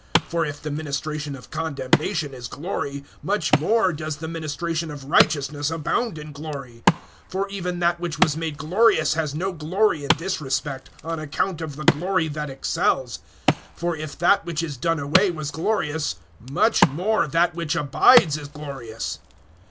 (9)For if the ministration of condemnation is glory, much more does the ministration of righteousness abound in glory. (10)For even that which was made glorious has no glory in this respect, on account of the glory that excels. (11)For if that which is done away was glorious, much more that which abides is glorious.